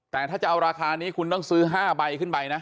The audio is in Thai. แต่ถ้าจะเอาราคานี้คุณต้องซื้อ๕ใบขึ้นไปนะ